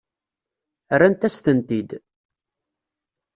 Rrant-as-tent-id.